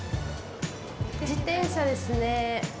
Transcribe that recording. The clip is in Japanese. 自転車ですね。